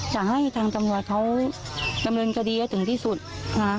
อยากให้ทางจำนวนเขาจำนวนจะดีจนถึงที่สุดนะ